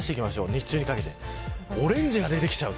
日中にかけてオレンジが出てきちゃう。